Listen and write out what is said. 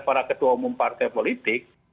para ketua umum partai politik